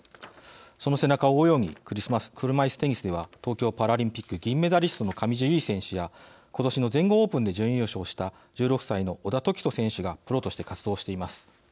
その背中を追うように車いすテニスでは東京パラリンピック銀メダリストの上地結衣選手や今年の全豪オープンで準優勝した１６歳の小田凱人選手がプロとして活動しています。